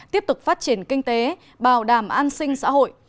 tiếp tục phát triển kinh tế bảo đảm an sinh xã hội